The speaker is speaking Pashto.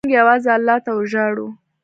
موږ یوازې الله ته وژاړو.